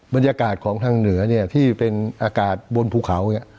บรรยากาศของทางเหนือเนี่ยที่เป็นอากาศบนภูเขา